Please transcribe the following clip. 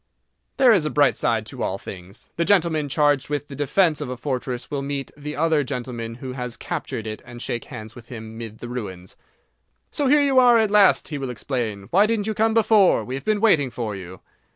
There is a bright side to all things. The gentleman charged with the defence of a fortress will meet the other gentleman who has captured it and shake hands with him mid the ruins. "So here you are at last!" he will explain. "Why didn't you come before? We have been waiting for you."